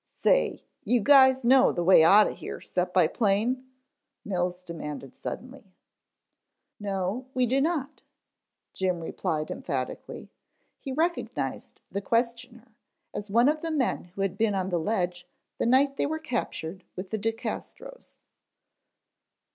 "Say, you guys know the way outta here 'cept by plane?" Mills demanded suddenly. "No we do not," Jim replied emphatically. He recognized the questioner as one of the men who had been on the ledge the night they were captured with the De Castros.